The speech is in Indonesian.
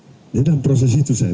tidak dalam proses itu saya